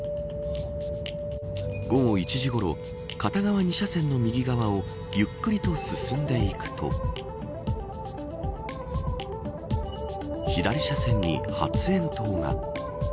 午後１時ごろ片側２車線の右側をゆっくりと進んでいくと左車線に発煙筒が。